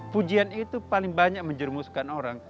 pujian itu paling banyak menjermuskan orang